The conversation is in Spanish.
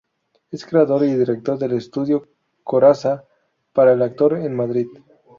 Es Creador y Director del ‘Estudio Corazza para el Actor’ en Madrid.